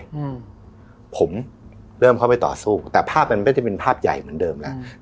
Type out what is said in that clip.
อืมผมเริ่มเข้าไปต่อสู้แต่ภาพมันไม่ได้เป็นภาพใหญ่เหมือนเดิมแล้วอืม